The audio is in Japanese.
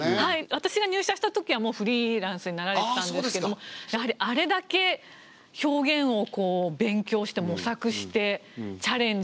私が入社したときはもうフリーランスになられてたんですけどもやはりあれだけ表現を勉強して模索してチャレンジして。